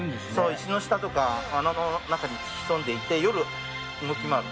石の下とか穴の中に潜んでいて夜、動き回る。